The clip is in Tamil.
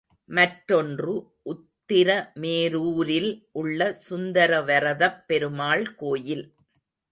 மற்றொன்று உத்திரமேரூரில் உள்ள சுந்தரவரதப் பெருமாள் கோயில்.